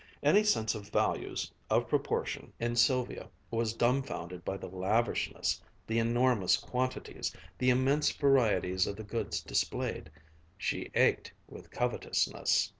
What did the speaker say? Any sense of values, of proportion, in Sylvia was dumfounded by the lavishness, the enormous quantities, the immense varieties of the goods displayed. She ached with covetousness....